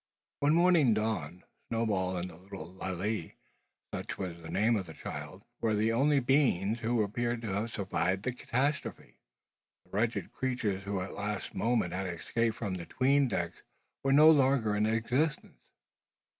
When morning dawned, Snowball and the little Lalee such was the name of the child were the only beings who appeared to have survived the catastrophe, the wretched creatures who at the last moment had escaped from the "'tween decks" were no longer in existence.